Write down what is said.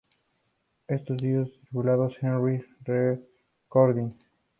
Estos discos, titulados "Early Recordings.